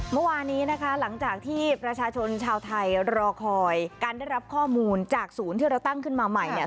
เมื่อวานนี้นะคะหลังจากที่ประชาชนชาวไทยรอคอยการได้รับข้อมูลจากศูนย์ที่เราตั้งขึ้นมาใหม่เนี่ย